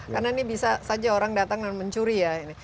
karena ini bisa saja orang datang dan mencuri ya